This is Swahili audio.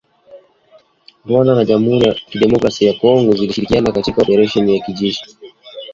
Rwanda na Jamuhuri ya kidemokrasia ya Kongo zilishirikiana katika oparesheni ya kijeshi